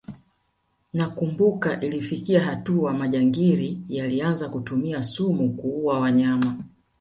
Nakumbuka ilifikia hatua majangili yalianza kutumia sumu kuua wanyama